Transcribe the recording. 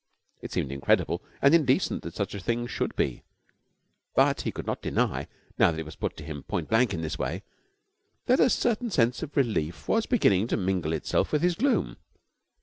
It seemed incredible and indecent that such a thing should be, but he could not deny, now that it was put to him point blank in this way, that a certain sense of relief was beginning to mingle itself with his gloom.